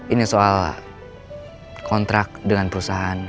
ini soal kontrak dengan perusahaan